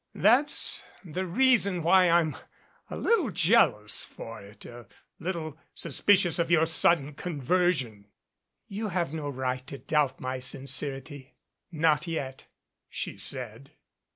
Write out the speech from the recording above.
That's the reason why I'm a little jealous for it, a little suspicious of your sudden conversion." "You have no right to doubt my sincerity not yet," she said.